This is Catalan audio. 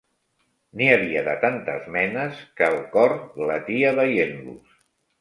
N'hi havia de tantes menes que'l cor glatia veient-los